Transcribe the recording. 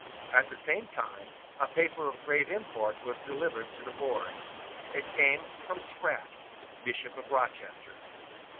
At the same time a paper of grave import was delivered to the board. It came from Sprat, Bishop of Rochester.